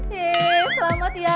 yeay selamat ya